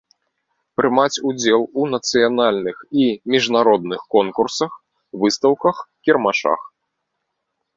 Прымаць удзел у нацыянальных i мiжнародных конкурсах, выстаўках, кiрмашах.